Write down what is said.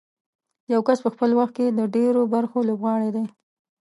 یو کس په خپل وخت کې د ډېرو برخو لوبغاړی دی.